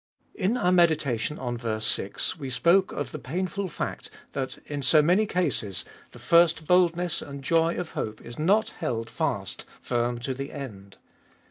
In our meditation on ver. 6 we spoke of the painful fact that in so many cases the first boldness and joy of hope is not held fast firm to the end.